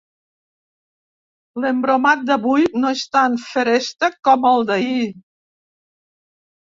L'embromat d'avui no és tan feréstec com el d'ahir.